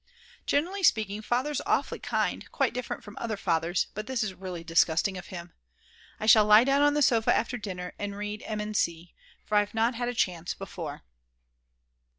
Generally speaking Father's awfully kind, quite different from other fathers, but this is really disgusting of him. I shall lie down on the sofa after dinner and read Immensee, for I've not had a chance before.